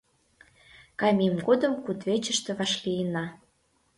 — Каймем годым кудвечыште вашлийынна.